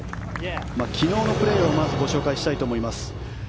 まず、昨日のプレーをご紹介したいと思います。